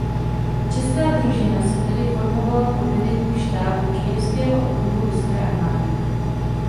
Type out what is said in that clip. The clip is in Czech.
Česká družina se tedy formovala pod vedením štábu Kyjevského okruhu ruské armády.